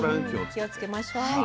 気を付けましょう。